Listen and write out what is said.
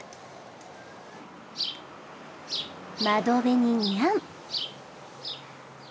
窓辺にニャン。